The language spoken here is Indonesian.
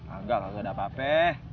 agak agak gak ada apa apa